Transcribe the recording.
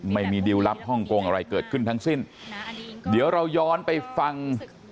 ไม่มีดิวลลับฮ่องกงอะไรเกิดขึ้นทั้งสิ้นเดี๋ยวเราย้อนไปฟัง